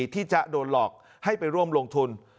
ที่จะโดนหลอกให้ไปร่วมลงทุน